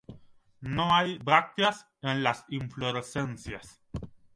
No hay brácteas en las inflorescencias.